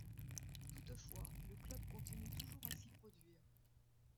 Toutefois, le club continue toujours à s'y produire.